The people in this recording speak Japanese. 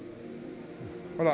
ほら。